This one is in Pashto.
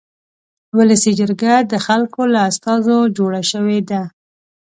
ولسي جرګه د خلکو له استازو جوړه شوې ده.